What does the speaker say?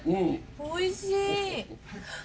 おいしい。